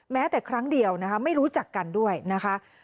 แม้แต่ครั้งเดียวนะคะไม่รู้จักกันด้วยนะคะ